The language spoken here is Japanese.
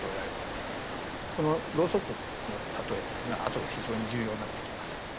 このろうそくの例えっていうのは後で非常に重要になってきます。